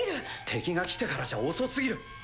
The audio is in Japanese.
敵が来てからじゃ遅すぎる。